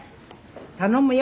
頼むよ！